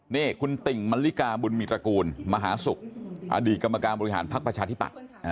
นี่คุณติ่งมันลิกาบุญมีตระกูลมหาศุกร์อดีตกรรมการบริหารภักดิ์ประชาธิปัตย์